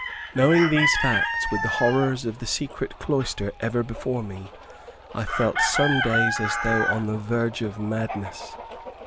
Knowing these facts, with the horrors of the Secret Cloister ever before me, I felt some days as though on the verge of madness.